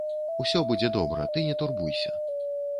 Усё будзе добра, ты не турбуйся.